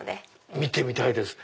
見てみたいです